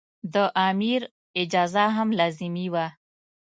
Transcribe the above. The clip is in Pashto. د امیر اجازه هم لازمي وه.